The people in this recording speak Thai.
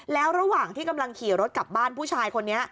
แล้วระหว่างที่กำลังขี่รถกลับบ้านผู้ชายคนนี้